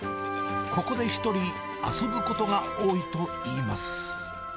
ここで１人、遊ぶことが多いといいます。